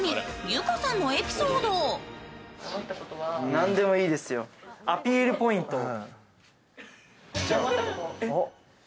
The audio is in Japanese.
何でもいいですよ、アピールポイントを。